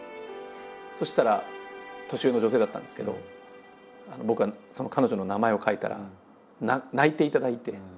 そしたら年上の女性だったんですけど僕がその彼女の名前を書いたら泣いていただいて。